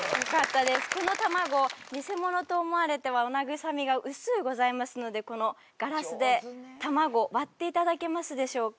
この卵偽物と思われてはお慰みが薄ぅございますのでこのガラスで卵割っていただけますでしょうか？